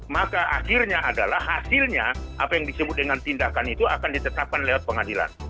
maka akhirnya adalah hasilnya apa yang disebut dengan tindakan itu akan ditetapkan lewat pengadilan